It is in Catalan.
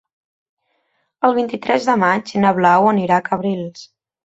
El vint-i-tres de maig na Blau anirà a Cabrils.